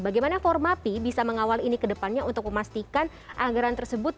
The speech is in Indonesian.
bagaimana formapi bisa mengawal ini ke depannya untuk memastikan anggaran tersebut